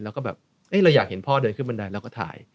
เราอยากเห็นพ่อเดินขึ้นบริษัทเราก็ถ่าย